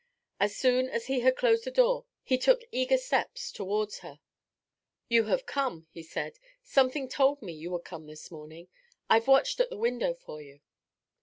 As soon as he had closed the door, he took eager steps towards her. 'You have come,' he said. 'Something told me you would come this morning. I've watched at the window for you.'